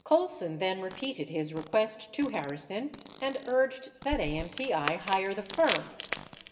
57 Colson then repeated his request to Harrison and urged that AMPI hire the firm.